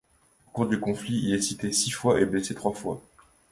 Au cours du conflit, il est cité six fois et blessé trois fois.